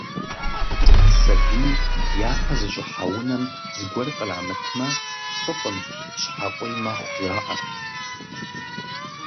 Сабийр япэ зыщӀыхьа унэм зыгуэр кърамытмэ, фӀыкъым, щхьэкъуий мэхъу, жаӀэрт.